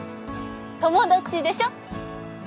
友達でしょ。